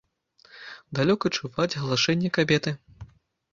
Далёка чуваць галашэнне кабеты.